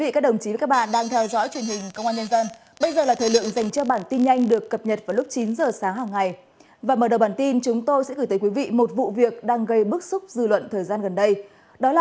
cảm ơn các bạn đã theo dõi